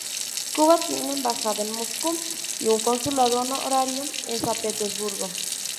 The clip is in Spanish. Cuba tiene una embajada en Moscú y un consulado honorario en San Petersburgo.